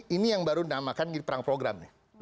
ini yang baru dinamakan perang program